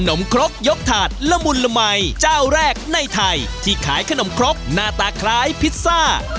มครกยกถาดละมุนละมัยเจ้าแรกในไทยที่ขายขนมครกหน้าตาคล้ายพิซซ่า